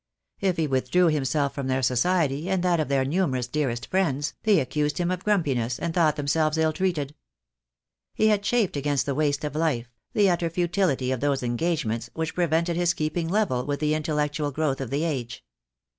If he withdrew himself from their society, and that of their numerous dearest friends, they accused him of grumpiness, and thought themselves ill treated. He had chafed against the waste of life, the utter futility of those engagements which prevented his keeping level with the intellectual growth of the age.